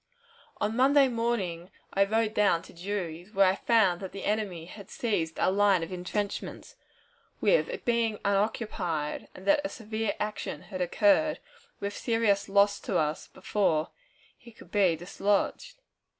On Monday morning I rode down to Drury's, where I found that the enemy had seized our line of intrenchments, it being unoccupied, and that a severe action had occurred, with serious loss to us before he could be dislodged.